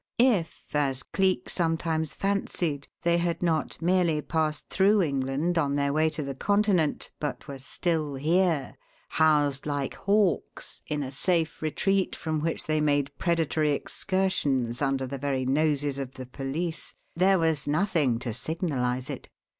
If, as Cleek sometimes fancied, they had not merely passed through England on their way to the Continent, but were still here, housed like hawks in a safe retreat from which they made predatory excursions under the very noses of the police, there was nothing to signalize it.